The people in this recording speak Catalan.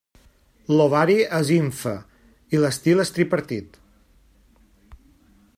L'ovari és ínfer i l'estil és tripartit.